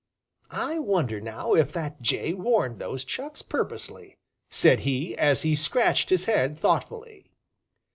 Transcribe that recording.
"I wonder now if that jay warned those chucks purposely," said he, as he scratched his head thoughtfully.